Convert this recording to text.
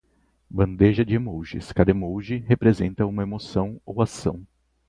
Bandeja de emojis, cada emoji representa uma emoção ou ação